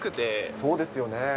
そうですよね。